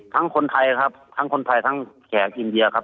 คนไทยครับทั้งคนไทยทั้งแขกอินเดียครับ